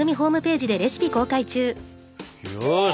よし！